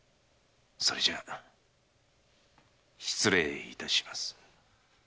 それじゃ失礼いたします。